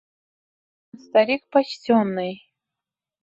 Да ведь он старик почтенный!